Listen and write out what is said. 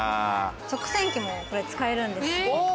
食洗機もこれ使えるんですよ。